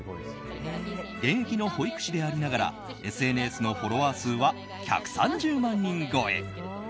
現役の保育士でありながらＳＮＳのフォロワー数は１３０万人超え！